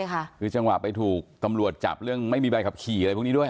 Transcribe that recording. คือเฉ็นไปถูกตำรวจจับไม่มีใบขับขี่อะไรพวกนี้ด้วย